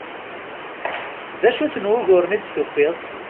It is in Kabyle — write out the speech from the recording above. D acu-ten wuguren i d-tufiḍ?